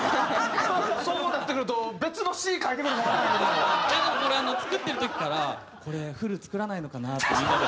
そうなってくるとでもこれ作ってる時からこれフル作らないのかなってみんなで。